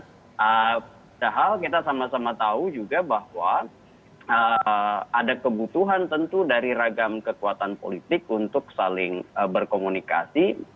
padahal kita sama sama tahu juga bahwa ada kebutuhan tentu dari ragam kekuatan politik untuk saling berkomunikasi